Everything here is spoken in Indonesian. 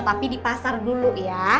tapi di pasar dulu ya